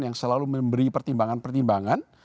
yang selalu memberi pertimbangan pertimbangan